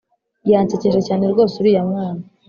Yansekeje cyane rwose uriya mwana